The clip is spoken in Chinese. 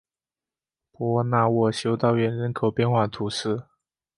博纳沃修道院人口变化图示